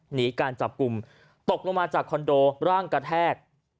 หนีการจับกลุ่มตกลงมาจากคอนโดร่างกระแทก